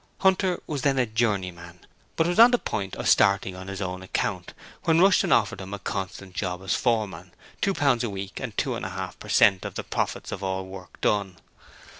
Hunter was then a journeyman, but was on the point of starting on his own account, when Rushton offered him a constant job as foreman, two pounds a week, and two and a half per cent of the profits of all work done.